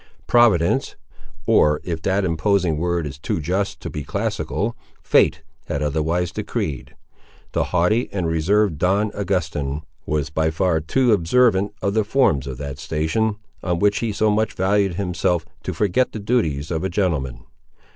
Providence—or if that imposing word is too just to be classical, fate—had otherwise decreed. The haughty and reserved Don Augustin was by far too observant of the forms of that station, on which he so much valued himself, to forget the duties of a gentleman.